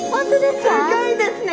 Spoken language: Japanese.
すギョいですね。